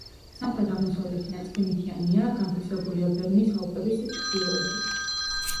სამხრეთ-აღმოსავლეთი ნაწილი მთიანია, განთავსებულია ბერნის ალპების ჩრდილოეთით.